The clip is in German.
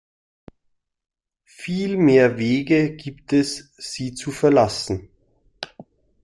Viel mehr Wege gibt es, sie zu verlassen.